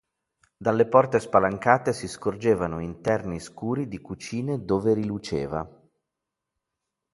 Dalle porte spalancate si scorgevano interni scuri di cucine dove riluceva.